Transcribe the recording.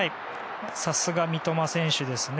さすが三笘選手ですね。